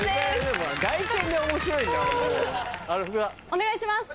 お願いします。